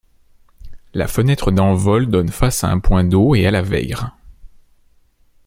La fenêtre d'envol donne face à un point d'eau et à la Vègre.